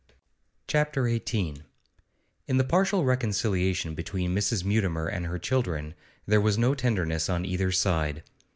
CHAPTER XVIII In the partial reconciliation between Mrs. Mutimer and her children there was no tenderness on either side.